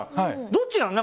どっちなの？